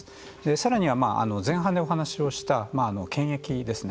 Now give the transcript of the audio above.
さらには前半でお話をした検疫ですね